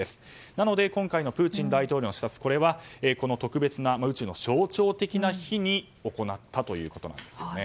なので、今回のプーチン大統領の視察は、特別な宇宙の象徴的な日に行ったということなんですね。